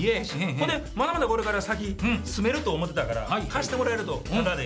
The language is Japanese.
ほんでまだまだこれから先住めると思ってたから貸してもらえるとタダで。